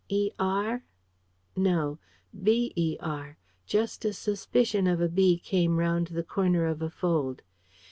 "Er"? No, "Ber": just a suspicion of a B came round the corner of a fold.